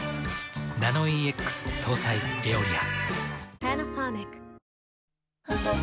ナノイーＸ搭載「エオリア」。